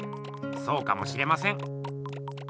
そうかもしれません。